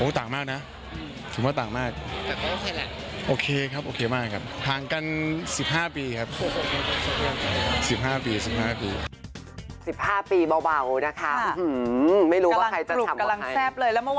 โอ้ต่างมากนะถึงว่าต่างมากก็โอเคแล้ว